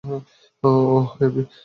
ওহ, happy.